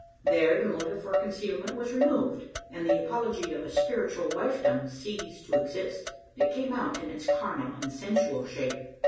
There the motive for concealment was removed, and the apology of a spiritual wifedom ceased to exist. It came out in its carnal and sensual shape.